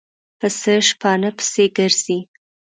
پسه شپانه پسې ګرځي.